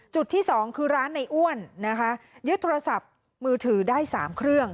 จุดที่สองคือร้านในอ้วนนะคะยึดโทรศัพท์มือถือได้๓เครื่อง